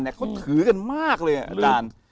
เขาถือกันมากเลยอาจารย์